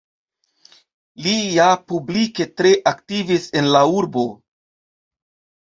Li ja publike tre aktivis en la urbo.